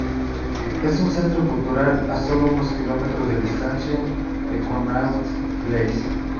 Es un centro cultural, a sólo unos kilómetros de distancia de Connaught Place.